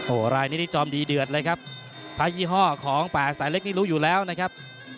โอ้โหรายนี้นี่จอมดีเดือดเลยครับพระยี่ห้อของแปดสายเล็กนี่รู้อยู่แล้วนะครับ